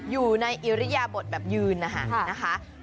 อยู่ในอิริยบทแบบยืนนะคะ